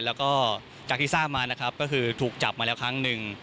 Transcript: แล้วก็จากที่ทราบมานะครับก็คือถูกจับมาแล้วครั้งหนึ่ง